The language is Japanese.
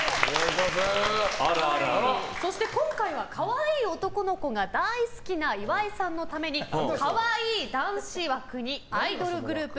そして今回は可愛い男の子が大好きな岩井さんのために可愛い男子枠にアイドルグループ